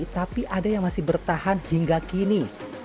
tapi ada yang masih bertahan hingga kini